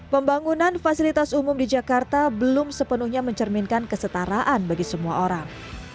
pembangunan fasilitas umum di jakarta belum sepenuhnya mencerminkan kesetaraan bagi semua orang